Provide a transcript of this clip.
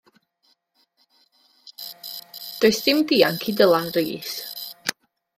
Does dim dianc i Dylan Rees.